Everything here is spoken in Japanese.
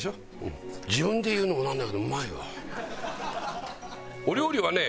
自分で言うのもなんだけどうまいわ。